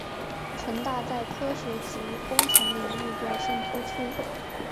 城大在科学及工程领域表现突出。